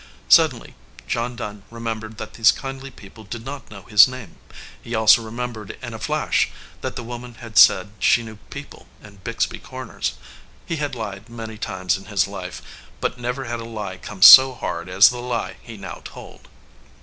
Suddenly John Dunn remembered that these kindly people did not know his name. He also remembered in a flash that the woman had said she knew people in Bixby Corners. He had lied many times in his life, but never had a lie come so hard as the lie he now told.